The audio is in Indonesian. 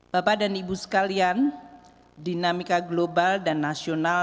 bapak dan ibu sekalian dinamika global dan nasional